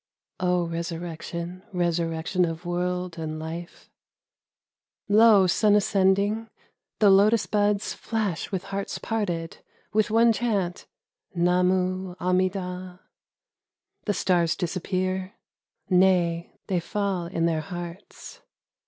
(O Resurrection, Resurrection of World and Life !) Lo, Sun ascending ! The lotus buds flash with hearts parted. With one chant *' Namu, Amida !" The stars disappear, nay, they fall in their hearts.